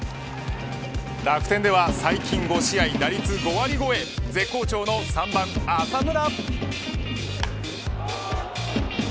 楽天では最近５試合、打率５割超え絶好調の３番、浅村。